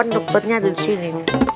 dokternya ada di sini